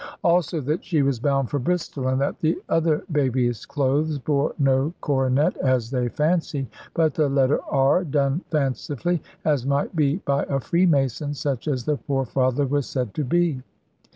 Also that she was bound for Bristol, and that the other baby's clothes bore no coronet, as they fancied, but the letter R. done fancifully, as might be by a freemason, such as the poor father was said to be.